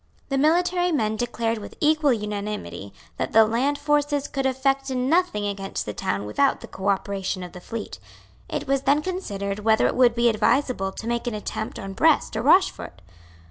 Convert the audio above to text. The military men declared with equal unanimity that the land forces could effect nothing against the town without the cooperation of the fleet. It was then considered whether it would be advisable to make an attempt on Brest or Rochefort.